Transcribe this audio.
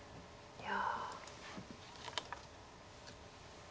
いや。